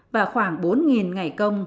và khoảng bốn ngày công